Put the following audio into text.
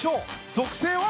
属性は。